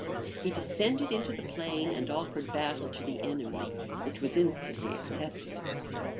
He descended into the plain, and offered battle to the enemy, which was instantly accepted.